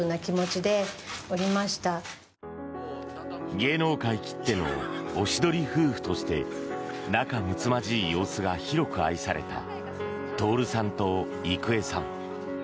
芸能界きってのおしどり夫婦として仲むつまじい様子が広く愛された徹さんと郁恵さん。